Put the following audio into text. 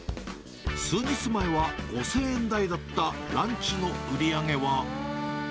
数日前は５０００円台だったランチの売り上げは。